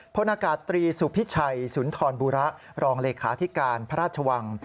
พลอากาศตรีสุพิชัยสุนทรบุระรองเลขาธิการพระราชวัง